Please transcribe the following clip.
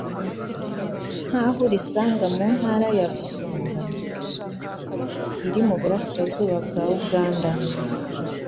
nk'aho urisanga mu ntara ya Busoga iri mu burasirazuba bwa Uganda,